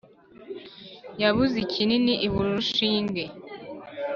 yabuze ikinini ibura urushinge